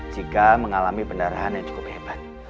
jika mengalami pendarahan yang cukup hebat